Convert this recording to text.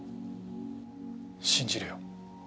信じるよ。